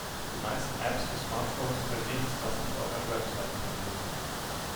Die meisten Apps für Smartphones können nichts, was nicht auch eine Website könnte.